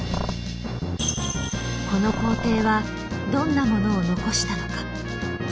この皇帝はどんなものを残したのか。